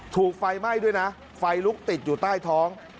ถูกไฟไหม้ด้วยนะไฟลุกติดอยู่ใต้ท้อง